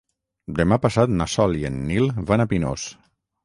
Demà passat na Sol i en Nil van a Pinós.